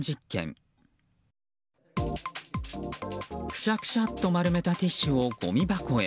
くしゃくしゃっと丸めたティッシュを、ごみ箱へ。